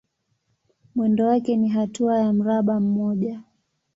Mwendo wake ni hatua ya mraba mmoja.